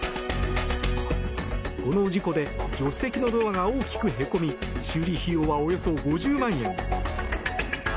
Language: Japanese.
この事故で助手席のドアが大きくへこみ修理費用はおよそ５０万円。